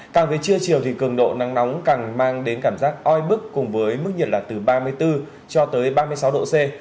càng về trưa chiều thì cường độ nắng nóng càng mang đến cảm giác oi bức cùng với mức nhiệt là từ ba mươi bốn cho tới ba mươi sáu độ c